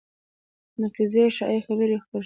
نقیضې شایعې خپرې شوې